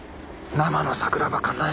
生の桜庭かなえ？